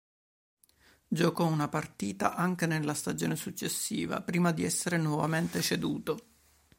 Giocò una partita anche nella stagione successiva, prima di essere nuovamente ceduto.